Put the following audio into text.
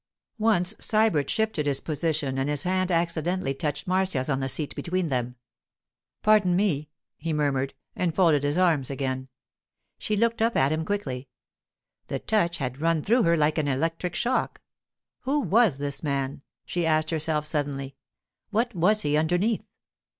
Once Sybert shifted his position and his hand accidentally touched Marcia's on the seat between them. 'Pardon me,' he murmured, and folded his arms again. She looked up at him quickly. The touch had run through her like an electric shock. Who was this man? she asked herself suddenly. What was he underneath?